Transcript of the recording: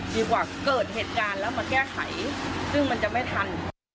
ดีกว่าเกิดเหตุการณ์แล้วมาแก้ไขซึ่งมันจะไม่ทัน